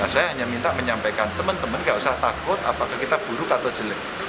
saya hanya minta menyampaikan teman teman nggak usah takut apakah kita buruk atau jelek